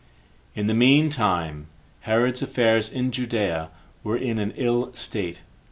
In the mean time, Herod's affairs in Judea were in an ill state.